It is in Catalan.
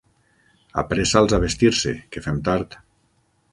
Apressa'ls a vestir-se, que fem tard.